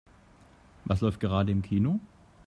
Was läuft gerade im Kino?